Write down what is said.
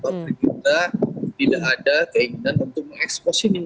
bagi gerindra tidak ada keinginan untuk mengekspos ini